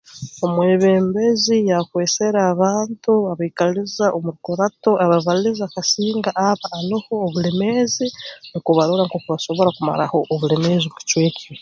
Omwebembezi yaakwesere abantu abaikaliza omu rukurato ababaliza kasinga aba aloho obulemeezi nukwo barora nkooku basobora kumaraho obulemeezi mu kicweka e